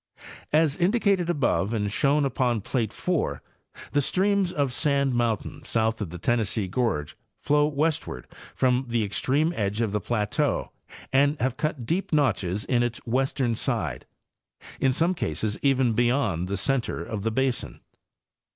As indicated above and shown upon plate 4, the streams of Sand mountain south of the Tennessee gorge flow westward from the extreme eastern edge of the plateau and have cut deep notches in its western side, in some cases even beyond the center of the basin.